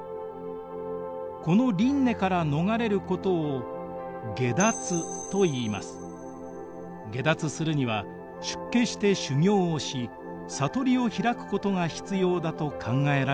この輪廻から逃れることを解脱するには出家して修行をし悟りを開くことが必要だと考えられていました。